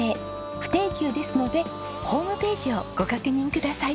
不定休ですのでホームページをご確認ください。